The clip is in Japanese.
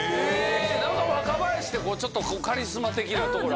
何か若林ってちょっとカリスマ的なところあるやん。